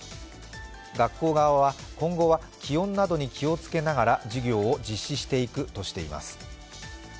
学校側は、今後は気温などに気をつけながら授業を実施していくとしています。